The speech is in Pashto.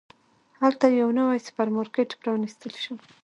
هلته یو نوی سوپرمارکېټ پرانستل شو.